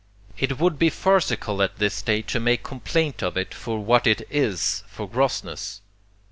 It would be farcical at this day to make complaint of it for what it IS for 'grossness.'